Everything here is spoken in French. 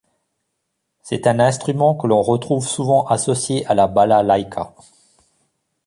C'est un instrument que l'on retrouve souvent associé à la balalaïka.